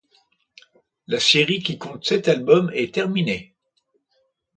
La série, qui compte sept albums, est terminée.